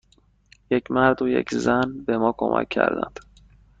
یک مرد و یک زن به ما کمک کردند.